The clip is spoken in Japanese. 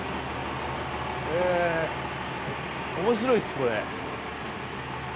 へ面白いっすこれ。